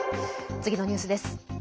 次のニュースです。